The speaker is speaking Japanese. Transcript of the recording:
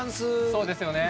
そうですよね。